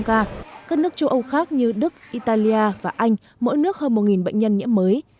các nước châu âu khác như đức italia và anh mỗi nước hơn một bệnh nhân nhiễm mới